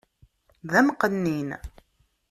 D amqennin!